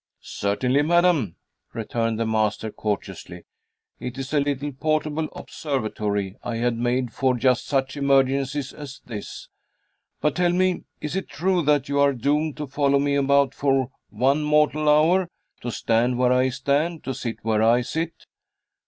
"Certainly, madam," returned the master, courteously. "It is a little portable observatory I had made for just such emergencies as this. But, tell me, is it true that you are doomed to follow me about for one mortal hour to stand where I stand, to sit where I sit?"